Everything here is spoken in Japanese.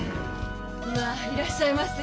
まあいらっしゃいませ。